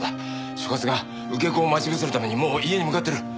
所轄が受け子を待ち伏せるためにもう家に向かってる！